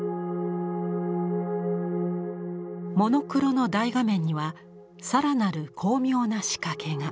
モノクロの大画面には更なる巧妙な仕掛けが。